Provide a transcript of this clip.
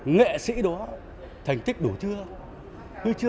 nghệ sĩ đó thành tích đủ chưa huy chương đủ chưa